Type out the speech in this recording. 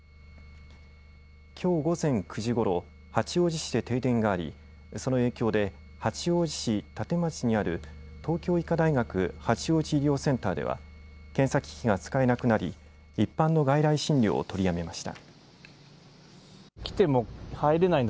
きょう午前９時ごろ、八王子市で停電がありその影響で八王子市館町にある東京医科大学八王子医療センターでは検査機器が使えなくなり一般の外来診療を取りやめました。